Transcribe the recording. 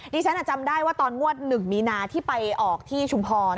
ฉันจำได้ว่าตอนงวด๑มีนาที่ไปออกที่ชุมพร